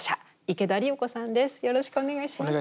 よろしくお願いします。